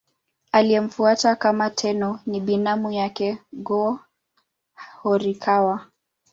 Aliyemfuata kama Tenno ni binamu yake Go-Horikawa.